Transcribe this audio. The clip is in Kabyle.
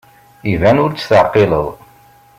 Iban ur tt-teɛqileḍ.